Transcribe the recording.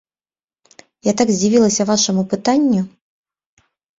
Я так здзівілася вашаму пытанню!